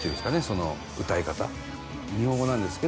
その歌い方。